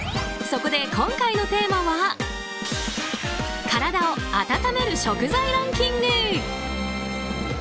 そこで、今回のテーマは体を温める食材ランキング。